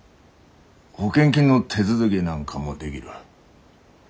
保険金の手続きなんかもでぎる。